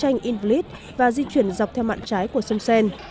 chiến tranh invalid và di chuyển dọc theo mạng trái của sông seine